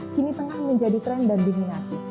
kini tengah menjadi tren dan diminasi